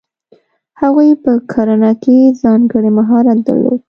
هغوی په کرنه کې ځانګړی مهارت درلود.